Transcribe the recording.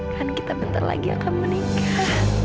kan kita bentar lagi akan menikah